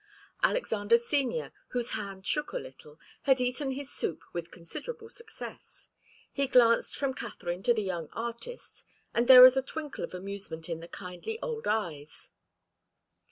Alexander Senior, whose hand shook a little, had eaten his soup with considerable success. He glanced from Katharine to the young artist, and there was a twinkle of amusement in the kindly old eyes.